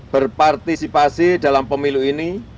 berpartisipasi dalam pemilu ini